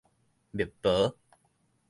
密婆